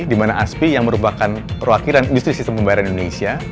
di mana aspi yang merupakan perwakilan industri sistem pembayaran indonesia